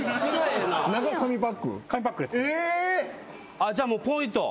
あっじゃあもうポイと。